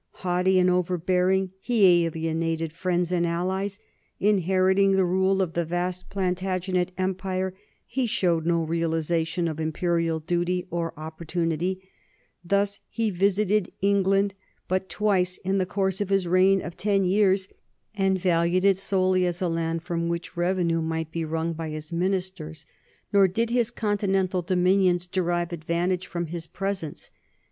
Haughty and overbear ing, he alienated friends and allies ; inheriting the rule of the vast Plantagenet empire, he showed no realization of imperial duty or opportunity. Thus he visited England but twice in the course of his reign of ten years and ,* Constitutional History, i, p. 551. 122 NORMANS IN EUROPEAN HISTORY valued it solely as a land from which revenue might be wrung by his ministers, nor did his continental domin ions derive advantage from his presence.